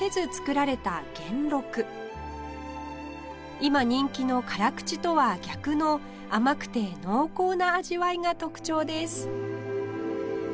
今人気の辛口とは逆の甘くて濃厚な味わいが特徴です